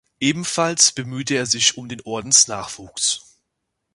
Ebenfalls bemühte er sich um den Ordensnachwuchs.